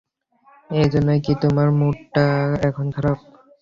এই জন্যই কি তোমার মুডটা এখন খারাপ?